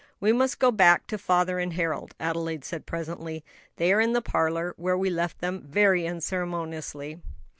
"We must go back to father and Harold," Adelaide said presently. "They are in the parlor, where we left them very unceremoniously."